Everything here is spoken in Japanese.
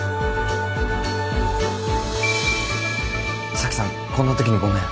沙樹さんこんな時にごめん。